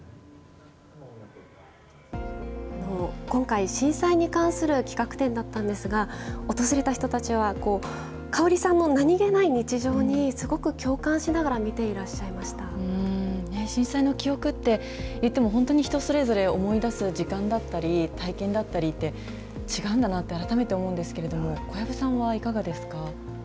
今回、震災に関する企画展だったんですが、訪れた人たちは、かおりさんの何気ない日常にすごく共感しながら見ていらっしゃい震災の記憶っていっても、本当に人それぞれ、思い出す時間だったり、体験だったりって、違うんだなって改めて思うんですけれども、小籔さんはいかがですか。